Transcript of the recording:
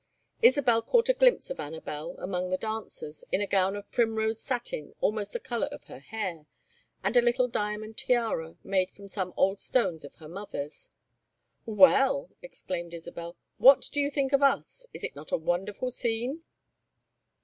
Isabel caught a glimpse of Anabel among the dancers, in a gown of primrose satin almost the color of her hair, and a little diamond tiara made from some old stones of her mother's. "Well!" exclaimed Isabel. "What do you think of us? Is it not a wonderful scene?"